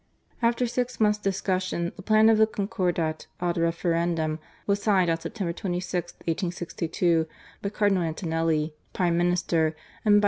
After six months* discussion the plan of the Concordat ad referendum was signed on September 26, 1862, by Cardinal Antonelli, Prime Minister, and by D.